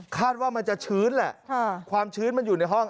คาดว่ามันจะชื้นแหละความชื้นมันอยู่ในห้อง